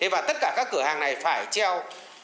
và tất cả các cửa hàng này phải treo